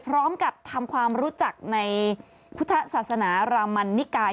พร้อมกับทำความรู้จักในพุทธศาสนารามันนิกาย